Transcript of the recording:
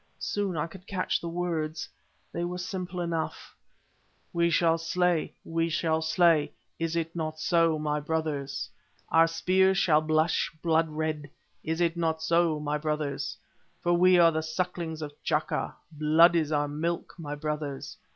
Soon I could catch the words. They were simple enough: "We shall slay, we shall slay! Is it not so, my brothers? Our spears shall blush blood red. Is it not so, my brothers? For we are the sucklings of Chaka, blood is our milk, my brothers.